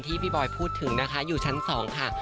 พี่บอยพูดถึงนะคะอยู่ชั้น๒ค่ะ